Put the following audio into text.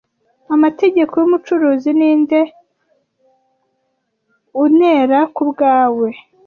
amategeko yumucuruzi ninde aunera kubwawe